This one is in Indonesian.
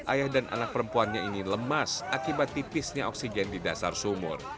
ayah dan anak perempuannya ini lemas akibat tipisnya oksigen di dasar sumur